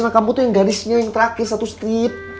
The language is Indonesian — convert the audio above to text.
karena kamu tuh yang garisnya yang terakhir satu strip